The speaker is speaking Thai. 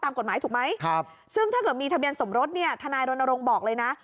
ตามกฎหมายถูกไหมซึ่งถ้าเกิดมีทะเบียนสมรสเนี่ยทนายรณรงค์บอกเลยนะ